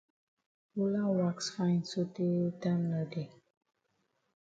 Holland wax fine sotay time no dey.